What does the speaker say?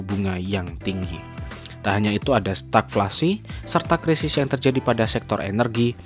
bunga yang tinggi tak hanya itu ada stakflasi serta krisis yang terjadi pada sektor energi